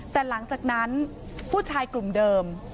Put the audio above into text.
แต่หลังจากนั้นผู้ชายกลุ่มเดิม